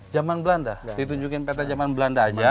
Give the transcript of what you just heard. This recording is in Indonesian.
jaman belanda ditunjukkan peta jaman belanda aja